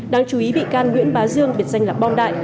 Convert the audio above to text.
đáng chú ý bị can nguyễn bá dương biệt danh là bom đại